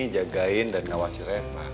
jagain dan ngawasi reva